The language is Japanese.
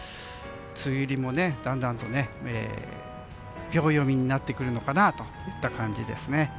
梅雨入りもだんだんと秒読みになってくるのかなといった感じですね。